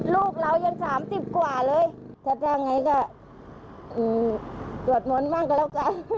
ลูกเรายัง๓๐กว่าเลยแต่ถ้าไงก็อืมตรวจม้อนมั่งก็แล้วกัน